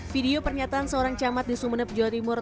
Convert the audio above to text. video pernyataan seorang camat di sumeneb jorimur